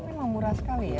memang murah sekali ya